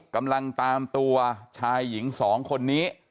กำลังตามตัวชายหญิง๒คนนี้